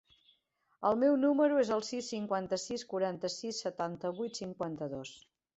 El meu número es el sis, cinquanta-sis, quaranta-sis, setanta-vuit, cinquanta-dos.